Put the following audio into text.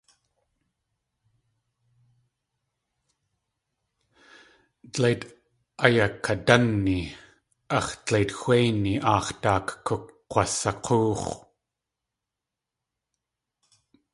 Dleit ayakadánni ax̲ dleit xwéini aax̲ daak kuk̲wasak̲óox̲.